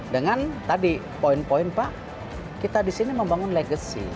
dengan tadi poin poin pak kita di sini membangun legacy